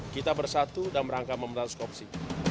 kita bersatu dan merangka pemberantasan korupsi